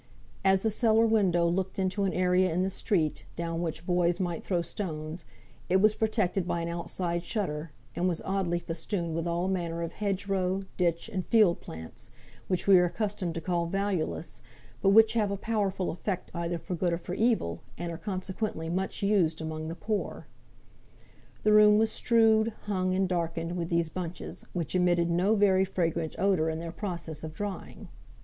As the cellar window looked into an area in the street, down which boys might throw stones, it was protected by an outside shelter, and was oddly festooned with all manner of hedge row, ditch, and field plants, which we are accustomed to call valueless, but which have a powerful effect either for good or for evil, and are consequently much used among the poor. The room was strewed, hung, and darkened with these bunches, which emitted no very fragrant odour in their process of drying.